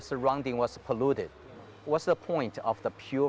apa tujuan untuk memperkuat pikiran kita sendiri